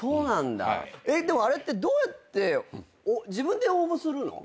あれってどうやって自分で応募するの？